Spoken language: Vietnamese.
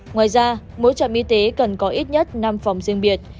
ngoài ra mỗi trạm y tế cần có ít nhất năm phòng riêng biệt